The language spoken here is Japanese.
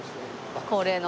恒例の。